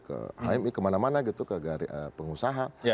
kemi kemana mana gitu ke pengusaha